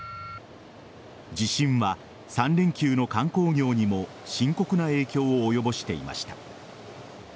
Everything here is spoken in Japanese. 地震は３連休の観光業にも深刻な影響を及ぼしていました。